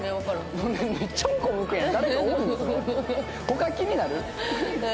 他気になる？